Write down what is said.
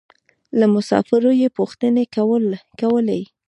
له مسافرو يې پوښتنې کولې.